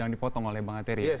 dipotong oleh bang atheri